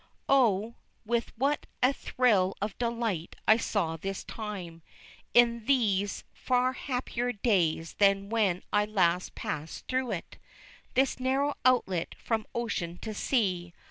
Oh, with what a thrill of delight I saw this time, in these far happier days than when last I passed through it, this narrow outlet from ocean to sea.